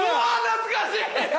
懐かしい！